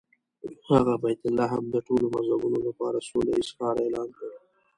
هغه بیت لحم د ټولو مذهبونو لپاره سوله ییز ښار اعلان کړ.